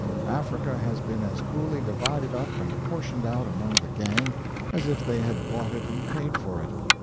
Africa has been as coolly divided up and portioned out among the gang as if they had bought it and paid for it.